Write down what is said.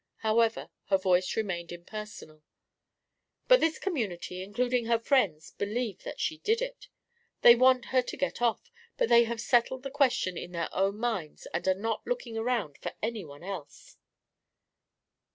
However, her voice remained impersonal. "But this community, including her friends, believe that she did it. They want her to get off, but they have settled the question in their own minds and are not looking around for any one else."